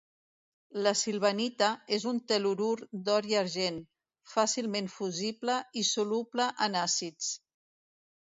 La silvanita és un tel·lurur d'or i argent, fàcilment fusible i soluble en àcids.